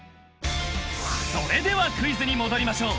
［それではクイズに戻りましょう］